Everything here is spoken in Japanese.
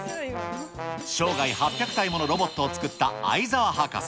生涯８００体ものロボットを作った相澤博士。